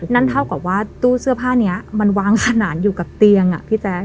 นั่นเท่ากับว่าตู้เสื้อผ้านี้มันวางขนาดอยู่กับเตียงพี่แจ๊ค